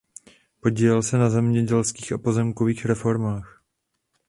Podílel se na zemědělských a pozemkových reformách.